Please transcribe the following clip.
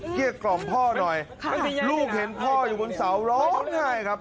เรียกกล่อมพ่อหน่อยลูกเห็นพ่ออยู่บนเสาร้องไห้ครับ